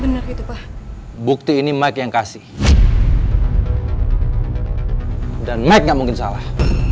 bener itu pak bukti ini mike yang kasih dan mike nggak mungkin salah